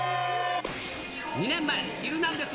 ２年前、ヒルナンデス！